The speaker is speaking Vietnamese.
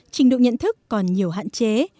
trình độ nhận thức còn nhiều hạn chế